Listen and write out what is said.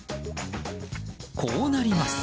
こうなります。